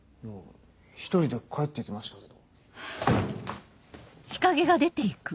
一人で帰って行きましたけど。